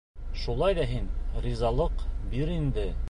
Шулай ҙа һин ризалыҡ бир инде.